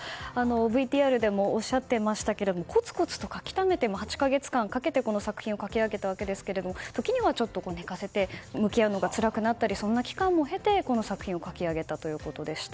ＶＴＲでもおっしゃっていましたがコツコツと書き溜めて８か月間かけて書き上げたわけですが時にはつらくなったりそんな期間を経てこの作品を書き上げたということでした。